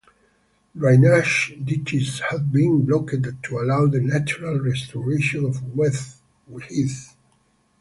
Drainage ditches have been blocked to allow the natural restoration of wet heath.